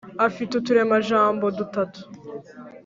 afite uturemajambo du tatu